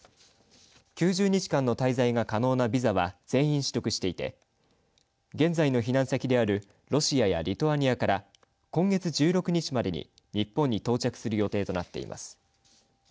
９０日間の滞在が可能なビザは全員取得していて現在の避難先であるロシアやリトアニアから今月１６日までに日本に到着する予定となっています。